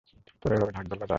তোরা এভাবে ঢাকঢোল বাজাস?